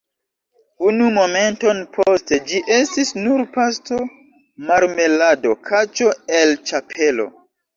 Unu momenton poste, ĝi estis nur pasto, marmelado, kaĉo el ĉapelo!